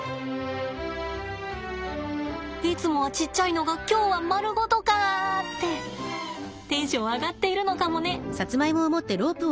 いつもはちっちゃいのが今日は丸ごとかってテンション上がっているのかもね。